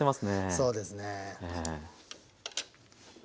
そうですね。